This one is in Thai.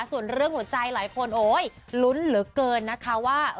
ส่วนเรื่องหัวใจหลายคนโอ๊ยลุ้นเหลือเกินนะคะว่า